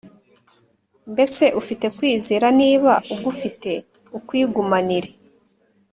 Mbese ufite kwizera Niba ugufite ukwigumanire